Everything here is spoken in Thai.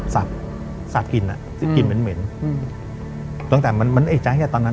สัตว์สับกลิ่นอ่ะกลิ่นเหม็นเหม็นอืมตั้งแต่มันมันเอกใจอ่ะตอนนั้น